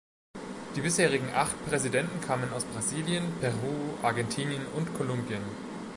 Die bisherigen acht Präsidenten kamen aus Brasilien, Peru, Argentinien und Kolumbien.